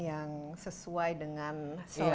yang sesuai dengan selera